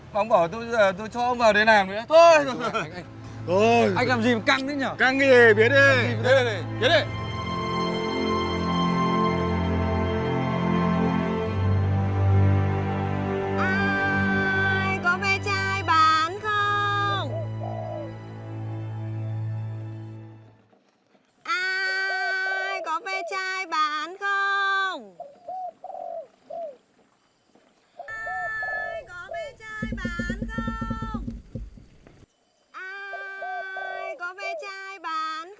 mà ông bảo tôi cho ông vào đề nàng vậy á